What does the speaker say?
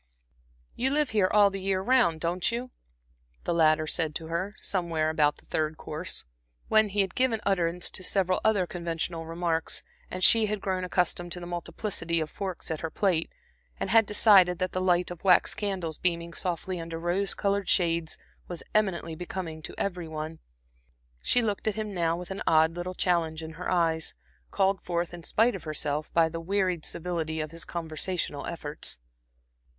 "You live here all the year round, don't you?" the latter said to her, somewhere about the third course, when he had given utterance to several other conventional remarks, and she had grown accustomed to the multiplicity of forks at her plate, and had decided that the light of wax candles, beaming softly under rose colored shades, was eminently becoming to every one. She looked at him now with an odd little challenge in her eyes, called forth, in spite of herself, by the wearied civility of his conversational efforts.